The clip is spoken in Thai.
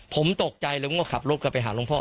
ผมตกใจเลยผมก็ขับรถกลับไปหาหลวงพ่อ